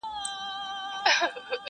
د سړیو سره خواته مقبره کی .